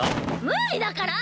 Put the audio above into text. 無理だから！